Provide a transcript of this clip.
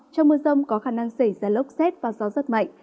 trong mưa rông có khả năng xảy ra lốc xét và gió rất mạnh